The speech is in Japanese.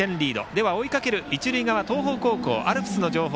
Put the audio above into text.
では、追いかける一塁側東邦高校のアルプスの情報